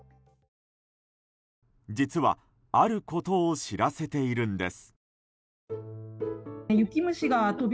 実はあることを知らせているんです。